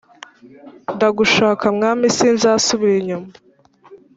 Ndagushaka mwami sinzasubira inyuma